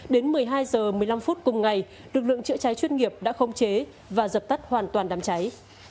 đến một mươi hai h một mươi năm phút cùng ngày lực lượng chữa cháy chuyên nghiệp đã không chế và dập tắt hoàn toàn đám cháy